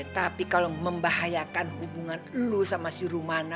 tapi kalau membahayakan hubungan lu sama si rumana